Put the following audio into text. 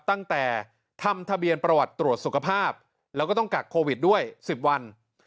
ตั้งแต่ทำทะเบียนประวัติตรวจสุขภาพแล้วก็ต้องกักโควิดด้วย๑๐วัน